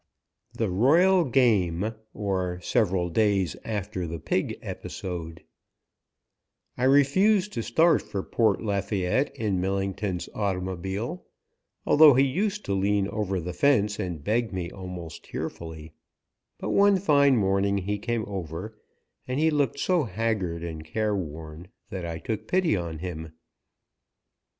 THE ROYAL GAME OR SEVERAL DAYS AFTER THE PIG EPISODE I refused to start for Port Lafayette in Millington's automobile, although he used to lean over the fence and beg me almost tearfully, but one fine morning he came over, and he looked so haggard and careworn that I took pity on him.